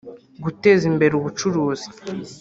guteza imbere ubucuruzi